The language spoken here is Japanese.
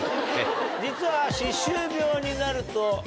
実は。